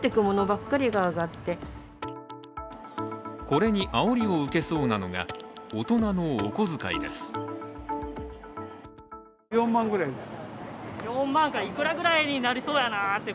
これにあおりを受けそうなのが大人のお小遣いです。